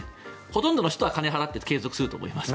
ほとんどの人は金を払って継続すると思います。